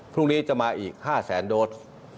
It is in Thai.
พรุ่งนี้จะมาอีก๕แสนโดส